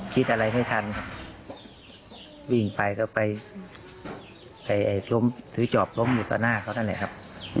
คิดอะไรไม่ทันครับวิ่งไปก็ไปล้มถือจอบล้มอยู่ต่อหน้าเขานั่นแหละครับ